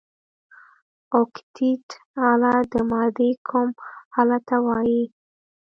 د اوکتیت حالت د مادې کوم حال ته وايي؟